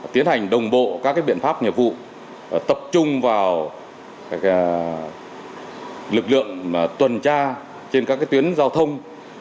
tiến hành đồng bộ các biện pháp nhiệm vụ tập trung vào lực lượng tuần tra trên các tuyến giao thông